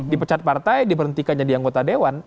dipecat partai diberhentikan jadi anggota dewan